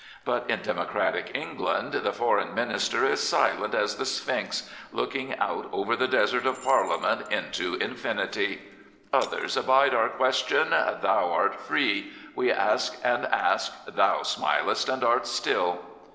But in democratic England the Foreign Minister is silent as the Sphinx, looking out over the desert of Parliament into infinity: Others abide our question: thou art free, We ask and ask: thou smilest and art still.